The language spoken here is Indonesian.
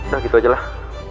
nah gitu aja lah